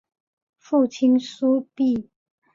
父亲苏玭。